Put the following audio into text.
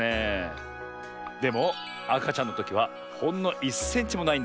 でもあかちゃんのときはほんの１センチもないんです。